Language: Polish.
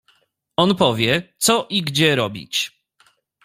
"On powie, co i gdzie robić."